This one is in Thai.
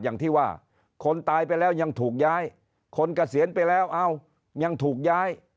อย่างที่ว่าคนตายไปแล้วยังถูกย้ายคนเกษียณไปแล้วเอ้ายังถูกย้าย